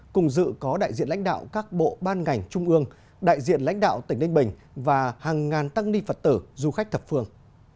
cùng dự có đại diện lãnh đạo các bộ ban ngành trung ương đại diện lãnh đạo tỉnh ninh bình và hàng ngàn tăng ni phật tử du khách thập phương